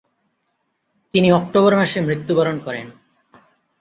তিনি অক্টোবর মাসে মৃত্যুবরণ করেন।